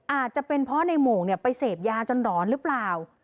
อาจจะเป็นเพราะในโมงไปเสพยาจนหลอนหรือเปล่า